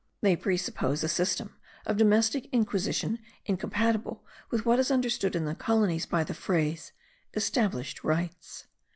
They pre suppose a system of domestic inquisition incompatible with what is understood in the colonies by the phrase established rights.